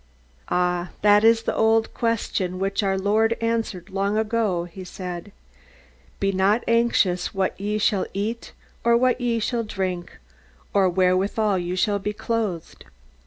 Ah, that is the old question, which our Lord answered long ago, and said, "Be not anxious what ye shall eat or what ye shall drink, or wherewithal you shall be clothed.